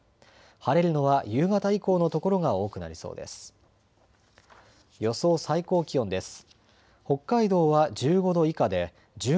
晴れるのは夕方以降の所が多くなりそうです。